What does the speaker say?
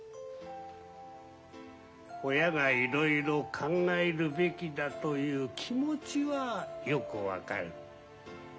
親がいろいろ考えるべきだという気持ちはよく分かる。